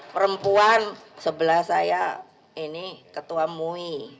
perempuan sebelah saya ini ketua mui